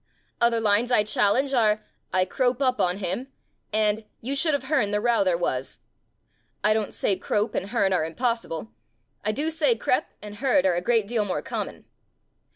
Other lines I challenge 82 THE BOOKMAN are, "I crope up on him" and *'You should of hearn the row there was". I don't say crope and hearn are impos sible. I do say crep' and heard are a irreat deal more common.